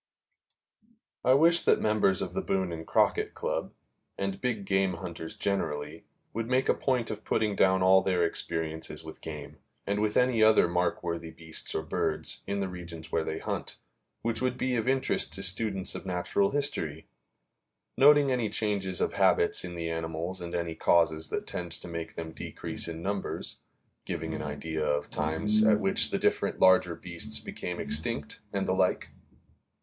I wish that members of the Boone and Crockett Club, and big game hunters generally, would make a point of putting down all their experiences with game, and with any other markworthy beasts or birds, in the regions where they hunt, which would be of interest to students of natural history; noting any changes of habits in the animals and any causes that tend to make them decrease in numbers, giving an idea of the times at which the different larger beasts became extinct, and the like.